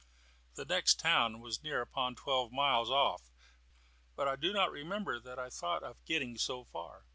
The next town was near upon twelve miles off, but I do not remember that I thought of getting so far.